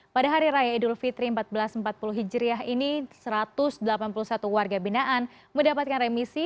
pada hari raya idul fitri seribu empat ratus empat puluh hijriah ini satu ratus delapan puluh satu warga binaan mendapatkan remisi